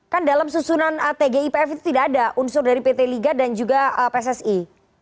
kan dalam susunan tgipf itu tidak ada unsur dari pt liga dan juga pssi